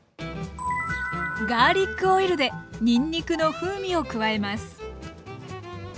ガーリックオイルでにんにくの風味を加えます。